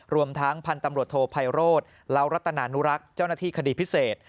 รวมทั้งพันธุ์ตำรวจโทไพโรธเล้ารัตนานุรักษ์เจ้าหน้าที่คดีพิเศษ